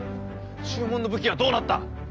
注文の武器はどうなった？